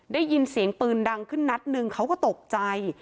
ได้ยินเสียงปืนดังขึ้นนัดหนึ่งเขาก็ตกใจ